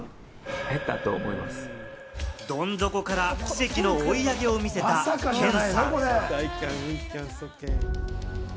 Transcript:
どん底から奇跡の追い上げを見せたケンさん。